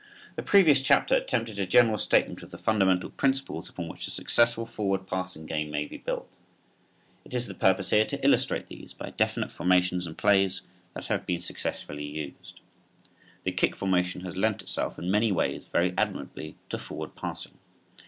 The previous chapter attempted a general statement of the fundamental principles upon which a successful forward passing game may be built. It is the purpose here to illustrate these by definite formations and plays that have been successfully used. The kick formation has lent itself in many ways very admirably to forward passing.